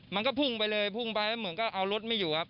มันก็พุ่งไปเลยพุ่งไปแล้วเหมือนก็เอารถไม่อยู่ครับ